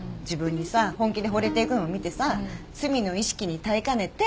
本気でほれていくのを見てさ罪の意識に耐えかねて。